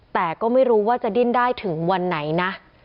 แต่ก็ไม่รู้ว่าจะดิ้นได้ถึงวันไหนนะ